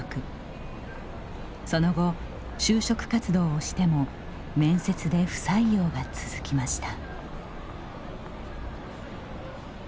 その後、就職活動をしても面接で不採用が続きました。